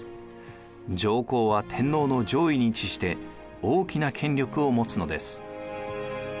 上皇は天皇の上位に位置して大きな権力を持つのです。